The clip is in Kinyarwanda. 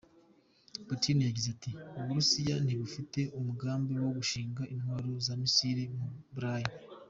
Putin yagize, ati: “Uburusiya ntibufite umugambi wo gushinga intwaro za misile mu Bulayi.